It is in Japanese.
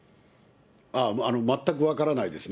全く分からないですね。